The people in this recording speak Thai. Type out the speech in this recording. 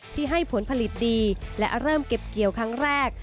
ที่ให้ผลผลิตดีและเริ่มเก็บเกี่ยวครั้งแรก